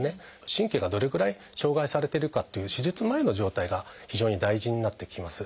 神経がどれぐらい障害されてるかっていう手術前の状態が非常に大事になってきます。